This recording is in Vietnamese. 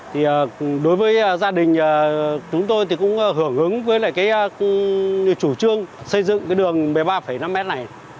thì đối với gia đình chúng tôi thì cũng hưởng ứng với lại cái chủ trương xây dựng cái đường một mươi ba năm mét này